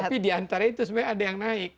tapi diantara itu sebenarnya ada yang naik